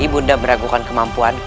ibu bunda beragukan kemampuan kian santang